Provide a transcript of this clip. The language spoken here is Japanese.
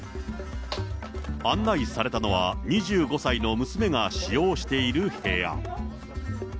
案内されたのは、２５歳の娘が使用している部屋。